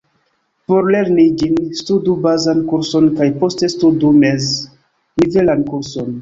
Por lerni ĝin, studu bazan kurson kaj poste studu mez-nivelan kurson.